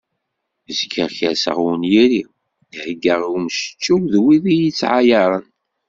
Zgiɣ kerseɣ i unyir-iw, heggaɣ i umcečew d wid iyi-ittɛayaren.